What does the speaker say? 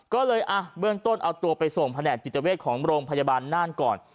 ก็เลยอ่ะเบื้องต้นเอาตัวไปส่งแผนกจิตเวทของโรงพยาบาลน่านก่อน